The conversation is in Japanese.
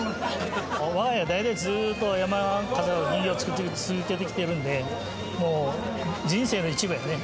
我が家は代々ずっと山笠の人形を作り続けてきているのでもう人生の一部やね。